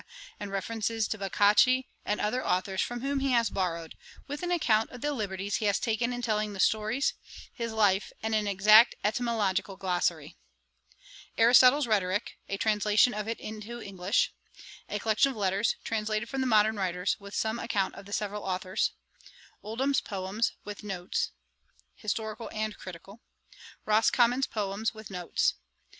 and references to Boccace, and other authours from whom he has borrowed, with an account of the liberties he has taken in telling the stories; his life, and an exact etymological glossary. 'Aristotle's Rhetorick, a translation of it into English. 'A Collection of Letters, translated from the modern writers, with some account of the several authours. 'Oldham's Poems, with notes, historical and critical. 'Roscommon's Poems, with notes.